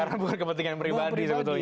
karena bukan kepentingan pribadi